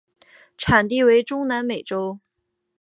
产地为中南美洲。